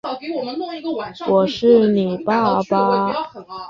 外国游客需通过印度内政部取得保护区许可证才能进入园区内及相关地区。